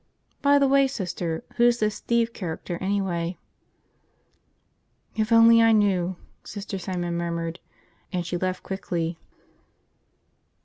By the way, Sister, who's this Steve character anyway?" "If only I knew!" Sister Simon murmured, and she left quickly.